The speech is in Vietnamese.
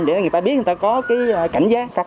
để người ta biết người ta có cảnh giác